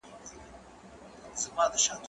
زه به ليکلي پاڼي ترتيب کړي وي؟!